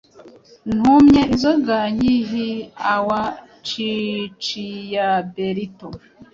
Ntunywe inzoga nyinhiawa riccioberto